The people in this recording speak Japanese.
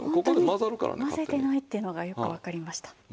ホントに混ぜてないっていうのがよくわかりました。